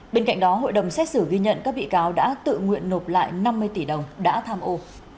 bên cạnh đó hội đồng xét xử ghi nhận các bị cáo đã tự nguyện nộp lại năm mươi tỷ đồng đã tham ô